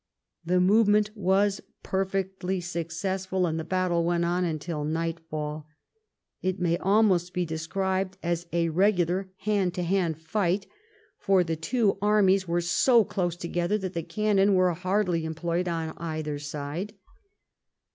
The movement was perfectly successful, and the battle went on until nightfall. It may almost be described as a regular hand to hand fight, for the two armies were so close together that the cannon was hardly employed on either side.